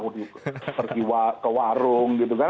atau ke warung gitu kan